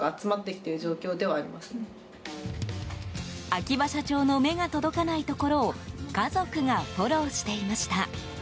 秋葉社長の目が届かないところを家族がフォローしていました。